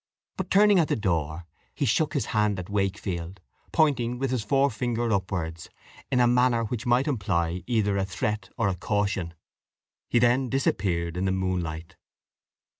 But, turning at the door, he shook his hand at Wakefield, pointing with his forefinger upwards, in a manner which might imply either a threat or a caution. He then disappeared in the moonlight.